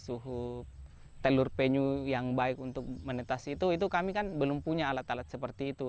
terus untuk mengetahui suhu telur penyu yang baik untuk menetas itu kami kan belum punya alat alat seperti itu